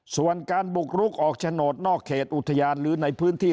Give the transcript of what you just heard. ส่วนการบุกรุกออกโฉนดนอกเขตอุทยานหรือในพื้นที่